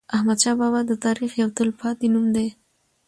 احمدشاه بابا د تاریخ یو تل پاتی نوم دی.